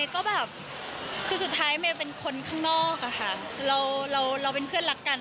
คือสุดท้ายเมเป็นคนข้างนอกเราเป็นเพื่อนรักกัน